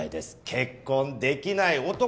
『結婚できない男』